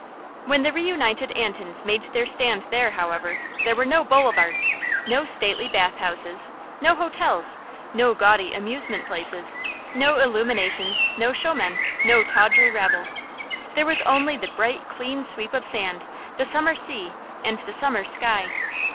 When the reunited Antins made their stand there, however, there were no boulevards, no stately bath houses, no hotels, no gaudy amusement places, no illuminations, no showmen, no tawdry rabble. There was only the bright clean sweep of sand, the summer sea, and the summer sky.